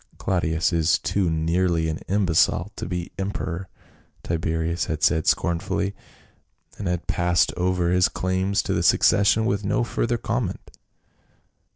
" Claudius is too nearly an imbecile to be emperor," Tiberius had said scornfully, and had passed over his claims to the succession with no further comment.